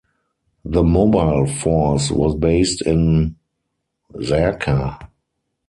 The Mobile Force was based in Zarqa.